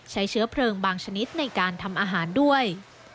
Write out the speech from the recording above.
เชื้อเพลิงบางชนิดในการทำอาหารด้วย